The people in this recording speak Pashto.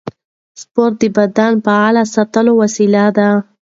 سپورت د بدن فعال ساتلو وسیله ده.